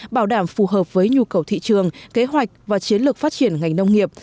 bảo đảm phù hợp với nhu cầu thị trường kế hoạch và chiến lược phát triển ngành nông nghiệp